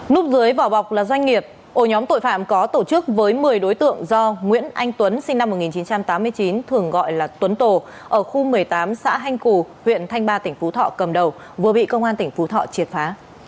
núp dưới vỏ bọc là doanh nghiệp ổ nhóm tội phạm có tổ chức với một mươi đối tượng do nguyễn anh tuấn sinh năm một nghìn chín trăm tám mươi chín thường gọi là tuấn tổ ở khu một mươi tám xã hanh cù huyện thanh ba tỉnh phú thọ cầm đầu vừa bị công an tỉnh phú thọ triệt phá